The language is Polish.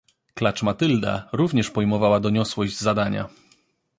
"Klacz Matylda również pojmowała doniosłość zadania."